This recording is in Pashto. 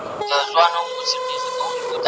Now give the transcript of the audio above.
دوه جمع يو؛ درې کېږي.